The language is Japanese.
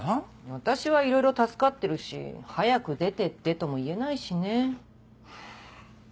私はいろいろ助かってるし「早く出てって」とも言えないしね。